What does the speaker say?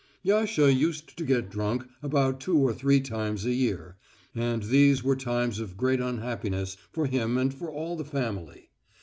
Yasha used to get drunk about two or three times a year, and these were times of great unhappiness for him and for all the family.